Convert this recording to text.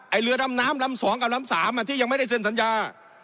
เรือดำน้ำลำ๒กับลำสามที่ยังไม่ได้เซ็นสัญญา